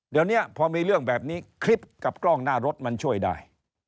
เดี๋ยวนี้พอมีเรื่องแบบนี้คลิปกับกล้องหน้ารถมันช่วยได้